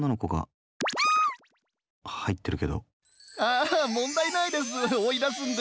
ああ問題ないです追い出すんで。